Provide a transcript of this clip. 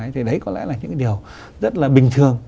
thì đấy có lẽ là những cái điều rất là bình thường